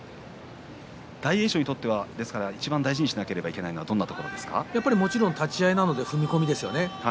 大栄翔にとっていちばん大事にしなければいけないのはもちろん立ち合いなどで踏み込みです。